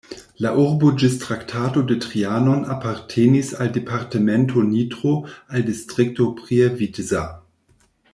La urbo ĝis Traktato de Trianon apartenis al departemento Nitro, al Distrikto Prievidza.